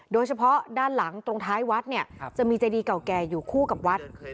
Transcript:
โดยเฉพาะด้านหลังตรงท้ายวัดเนี่ยจะมีเจดีเก่าแก่อยู่คู่กับวัด